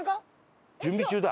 準備中だ。